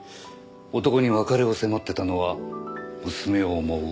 男に別れを迫ってたのは娘を思う